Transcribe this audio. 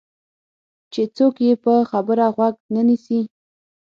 چې څوک یې پر خبره غوږ نه نیسي.